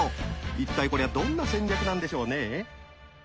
一体これはどんな戦略なんでしょうね？